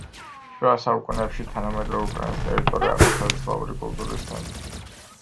შუა საუკუნეებში, თანამედროვე უკრაინის ტერიტორია აღმოსავლეთ სლავური კულტურის ცენტრი იყო.